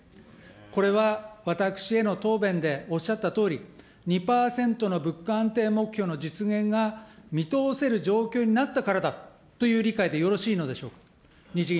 これは私への答弁でおっしゃったとおり、２％の物価安定目標の実現が、見通せる状況になったからだという理解でよろしいのでしょうか。